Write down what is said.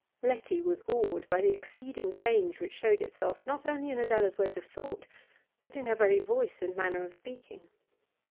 Letty was awed by the exceeding change which showed itself not only in Adela's ways of thought, but in her very voice and manner of speaking.